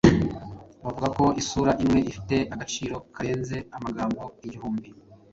Bavuga ko isura imwe ifite agaciro karenze amagambo igihumbi.